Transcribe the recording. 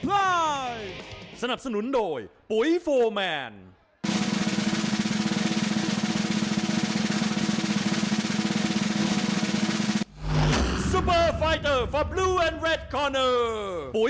กระโดยสิ้งเล็กนี่ออกกันขาสันเหมือนกันครับ